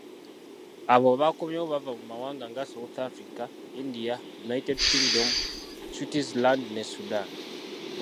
Abo abakomyewo bava mu mawanga nga South Africa, India, United Kingdom, Switzerland ne Sudan.